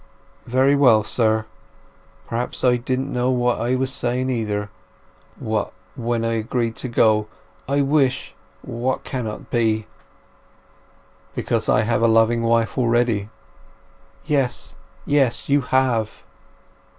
"Very well, sir. Perhaps I didn't know what I was saying, either, wh—when I agreed to go! I wish—what cannot be!" "Because I have a loving wife already." "Yes, yes! You have!"